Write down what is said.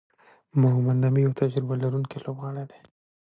محمد نبي یو تجربه لرونکی لوبغاړی دئ.